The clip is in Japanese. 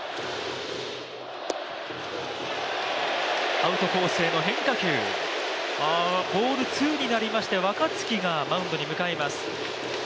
アウトコースへの変化球、ボールツーになりまして、若月がマウンドに向かいます。